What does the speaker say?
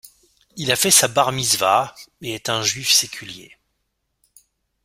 Il a fait sa bar mitzvah et est un juif séculier.